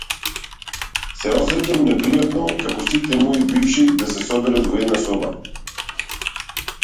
Се осеќам непријатно како сите мои бивши да се соберат во една соба.